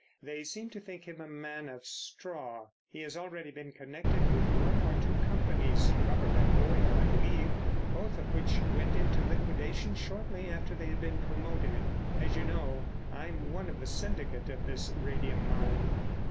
They seemed to think him a man of straw. He has already been connected with one or two companies—rubber and oil, I believe, both of which went into liquidation shortly after they had been promoted. As you know, I'm one of the syndicate of this radium mine."